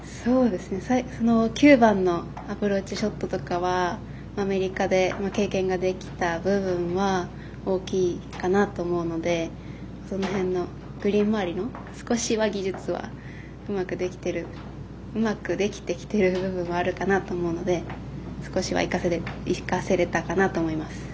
９番のアプローチショットとかはアメリカでの経験ができた部分が大きいかなと思うのでその辺のグリーン周りの少しは技術はうまくできてきてる部分もあるかなと思うので少しは生かせれたかなと思います。